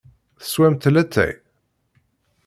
Teswamt latay?